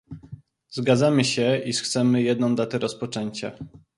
Zgadzamy się, iż chcemy jedną datę rozpoczęcia